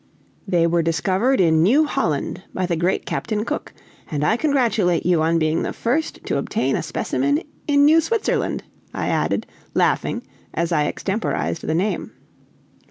They were discovered in New Holland, by the great Captain Cook, and I congratulate you on being the first to obtain a specimen in New Switzerland!" I added, laughing, as I extemporized the name.